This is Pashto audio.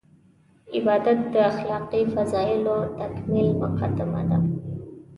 عبادت د اخلاقي فضایلو تکمیل مقدمه ده.